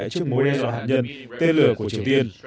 trước mối đe dọa hạt nhân tên lửa của triều tiên